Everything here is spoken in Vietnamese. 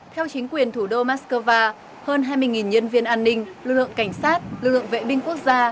theo chính quyền thủ đô moscow hơn hai mươi nhân viên an ninh lực lượng cảnh sát lực lượng vệ binh quốc gia